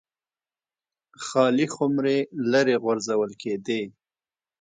خالي خُمرې لرې غورځول کېدې.